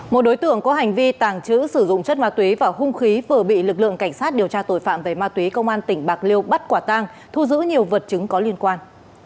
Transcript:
một đối tượng có hành vi tàng trữ sử dụng chất ma túy và hung khí vừa bị lực lượng cảnh sát điều tra tội phạm về ma túy công an tỉnh bạc liêu bắt quả tang thu giữ nhiều vật chứng có liên quan